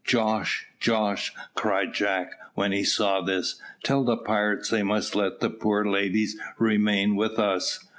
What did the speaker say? "Jos, Jos," cried Jack, when he saw this, "tell the pirates they must let the poor ladies remain with us.